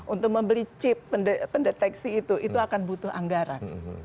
untuk membeli chip pendeteksi itu itu akan butuh anggaran